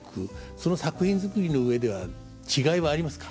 その作品づくりの上では違いはありますか？